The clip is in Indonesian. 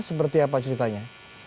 seperti apa ceritanya